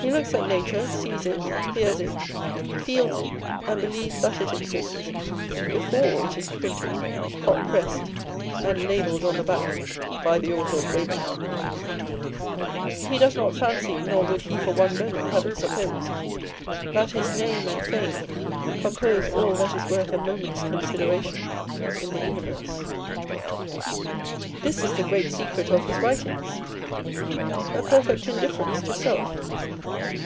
He looks at nature, sees it, hears it, feels it, and believes that it exists, before it is printed, hotpressed, and Libelled on the back, By the Author of Waverlcy. He does not fancy, nor would he for one moment have it supposed, that his name and fame compose all that is worth a moment's consideration in the universe. 2 G 450 On Old English Writers and Speakers. This is the great secret of his writings â€" a perfect indif ference to self.